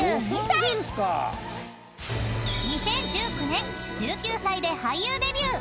［２０１９年１９歳で俳優デビュー］